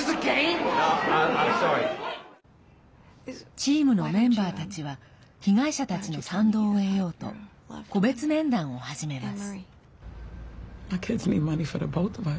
チームのメンバーたちは被害者たちの賛同を得ようと個別面談を始めます。